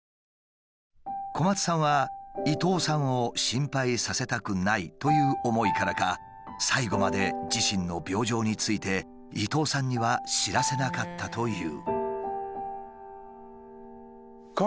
小松さんは伊東さんを心配させたくないという思いからか最後まで自身の病状について伊東さんには知らせなかったという。